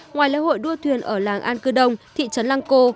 ngoài lễ hội đua thuyền ở làng an cư đông thị trấn lăng cô